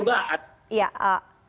itu kan juga ad